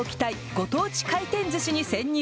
ご当地回転寿司に潜入。